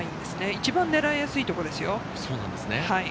一番狙いやすいところですよ。